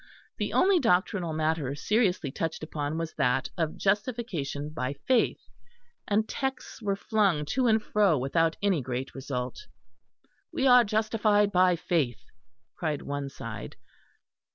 The only doctrinal matter seriously touched upon was that of Justification by Faith; and texts were flung to and fro without any great result. "We are justified by faith," cried one side.